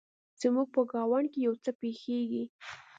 زموږ په ګاونډ کې يو څه پیښیږي